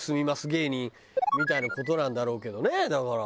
芸人みたいな事なんだろうけどねだから。